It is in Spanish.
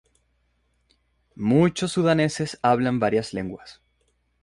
Muchos sudaneses hablan varias lenguas.